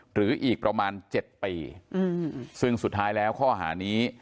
หรืออีกประมาณ๗ปีซึ่งสุดท้ายแล้วข้อหานี้